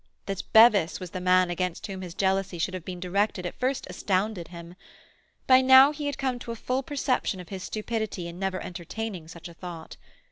That Bevis was the man against whom his jealousy should have been directed at first astounded him. By now he had come to a full perception of his stupidity in never entertaining such a thought.